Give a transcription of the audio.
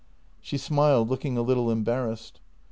She smiled, looking a little embarrassed.